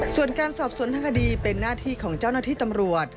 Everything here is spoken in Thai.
ส่วนการสอบสวนทางคดีเป็นหน้าที่ของเจ้าหน้าที่ตำรวจ